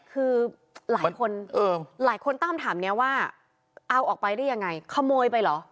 คือหลายคนหลายคนตั้งคำถามนี้ว่าเอาออกไปได้ยังไงขโมยไปเหรอ